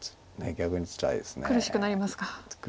苦しくなりますか。